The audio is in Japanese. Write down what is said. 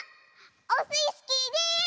オスイスキーです！